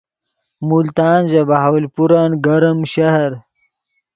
ملتان ژے بہاولپورن گرم شہر